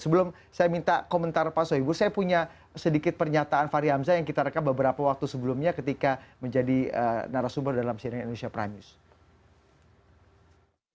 sebelum saya minta komentar pak soegu saya punya sedikit pernyataan fahri hamzah yang kita rekam beberapa waktu sebelumnya ketika menjadi narasumber dalam cnn indonesia prime news